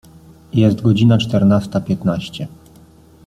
Jest godzina czternasta piętnaście.